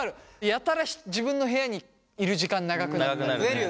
やたら自分の部屋にいる時間長くなったり。